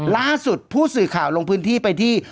ล่าสุดผู้สื่อข่าวลงพื้นที่ไปที่